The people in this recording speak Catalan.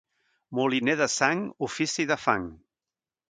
Moliner de sang, ofici de fang.